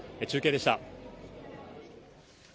中継でした。